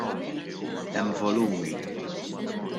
Hemm volumi.